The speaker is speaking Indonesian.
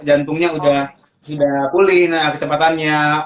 jantungnya udah pulih kecepatannya